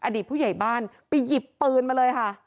อดีตผู้ใหญ่บ้านไปหยิบปืนมาเลยค่ะ